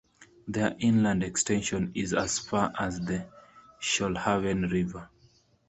Their inland extension is as far as the Shoalhaven River.